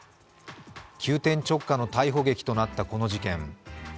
急転直下の逮捕劇となったこの事件。